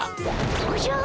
おじゃ！